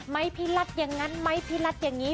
ไม้พิรัฐอย่างนั้นไม้พิรัฐอย่างนี้